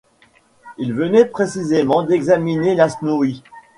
Ils venaient précisément d’examiner la Snowy.